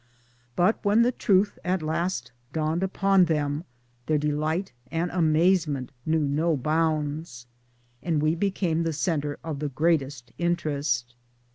But when the truth at last dawned upon them, their delight and amazement knew no bounds, and we became the centre of the greatest interest.